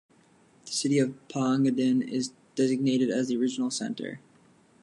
The city of Pagadian is designated as the regional center.